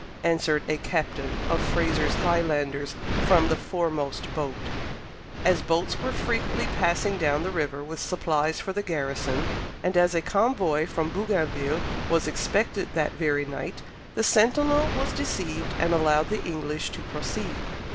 _" answered a captain of Fraser's Highlanders from the foremost boat. As boats were frequently passing down the river with supplies for the garrison, and as a convoy from Bougainville was expected that very night, the sentinel was deceived and allowed the English to proceed.